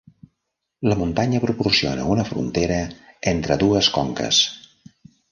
La muntanya proporciona una frontera entre dues conques.